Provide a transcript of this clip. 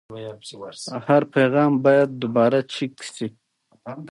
د علامه رشاد کتابتون نسخه رک په نخښه ښوول کېږي.